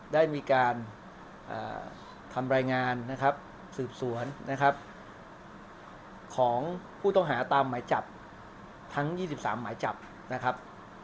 ได้มีการทำรายงานนะครับสืบสวนนะครับของผู้ต้องหาตามหมายจับทั้ง๒๓หมายจับนะครับ